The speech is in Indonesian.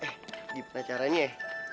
eh gimana caranya ya